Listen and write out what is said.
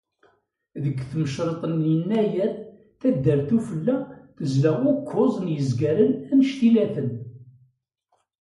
Deg tmecṛeḍt n yennayer, Taddart Ufella tezla ukkuẓ n yizgaren anect-ila-ten.